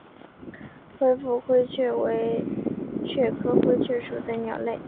灰腹灰雀为雀科灰雀属的鸟类。